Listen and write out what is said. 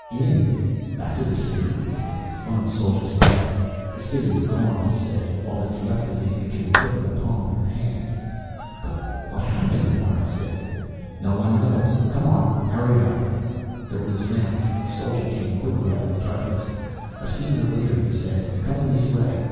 "In? Back to the City?" One of the soldiers laughed. "The City is gone," he said. "All that's left of it you can put in the palm of your hand." "But what happened?" Mara said. "No one knows. Come on, hurry it up!" There was a sound. A soldier came quickly out of the darkness. "A Senior Leiter," he said. "Coming this way."